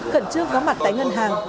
cẩn trương có mặt tại ngân hàng